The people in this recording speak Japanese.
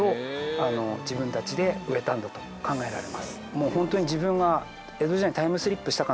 もうホントに自分が。